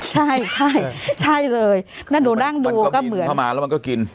ใช่ใช่ใช่เลยนั่นหนูนั่งดูก็เหมือนเข้ามาแล้วมันก็กิน